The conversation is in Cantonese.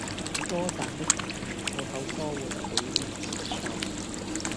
多賺的眼淚可否多換幾年陽壽？